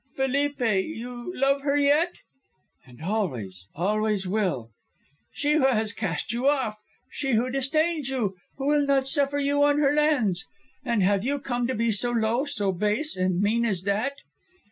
"Felipe, you love her yet?" "And always, always will." "She who has cast you off; she who disdains you, who will not suffer you on her lands? And have you come to be so low, so base and mean as that?"